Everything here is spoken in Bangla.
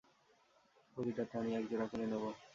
প্রতিটা প্রাণী এক জোড়া করে নেব?